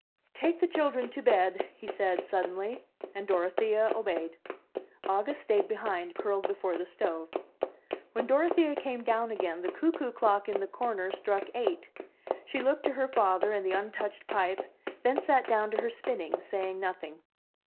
"Take the children to bed,'' he said, suddenly, and Dorothea obeyed. August stayed behind, curled before the stove. When Dorothea came down again, the cuckoo clock in the comer struck eight; she looked to her father and the untouched pipe, then sat down to her spinning, saying nothing.